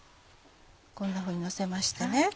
こんなふうにのせました。